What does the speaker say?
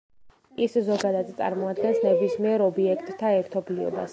ის ზოგადად წარმოადგენს ნებისმიერ ობიექტთა ერთობლიობას.